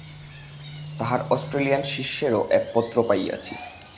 তাঁহার অষ্ট্রেলিয়ান শিষ্যেরও এক পত্র পাইয়াছি।